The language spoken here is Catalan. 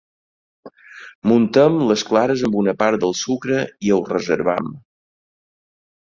Muntem les clares amb una part del sucre i ho reservem.